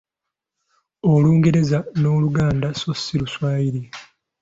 Olungereza n’Oluganda so si Luswayiri.